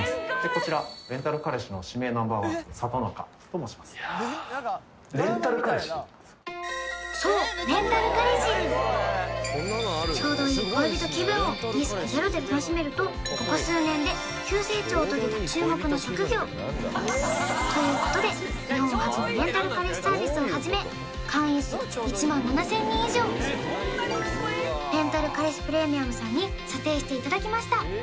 こちらレンタル彼氏の指名Ｎｏ．１里中と申しますそうレンタル彼氏ちょうどいい恋人気分をリスクゼロで楽しめるとここ数年で急成長を遂げた注目の職業ということで日本初のレンタル彼氏サービスを始め会員数１万７０００人以上レンタル彼氏ＰＲＥＭＩＵＭさんに査定していただきました